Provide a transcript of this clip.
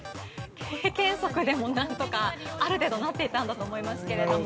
◆経験則でも何とか、ある程度なっていたんだと思いますけれども。